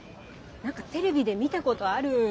何かテレビで見たことある。